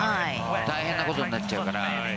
大変なことになっちゃうから。